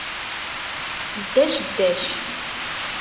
Ddac, ddac!